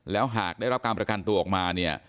แล้วหากได้รับฝากประกันตัวออกมา